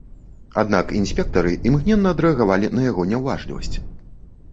Аднак інспектары імгненна адрэагавалі на яго няўважлівасць.